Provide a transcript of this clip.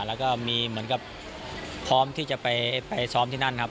แล้วก็มีเหมือนกับพร้อมที่จะไปซ้อมที่นั่นครับ